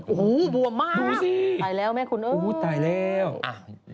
โอ้โฮบวมมากตายแล้วแม่คุณเอิ้งโอ้โฮตายแล้วดูสิ